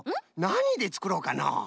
なにでつくろうかのう？